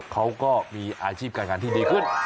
เขาก็มีอาชีพการงานที่ดีขึ้น